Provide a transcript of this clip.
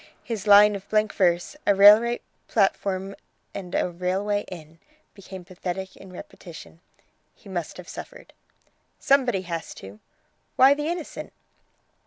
His line of blank verse, 'A Railway platform and a Railway inn!' became pathetic in repetition. He must have suffered." "Somebody has to!" "Why the innocent?"